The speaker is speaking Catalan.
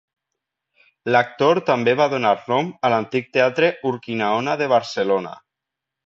L'actor també va donar nom a l'antic Teatre Urquinaona de Barcelona.